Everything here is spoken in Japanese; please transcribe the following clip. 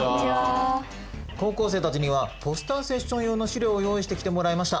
高校生たちにはポスターセッション用の資料を用意してきてもらいました。